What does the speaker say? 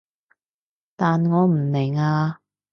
但我唔明啊